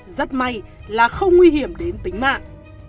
rất may là không nguy hiểm đến tính mạng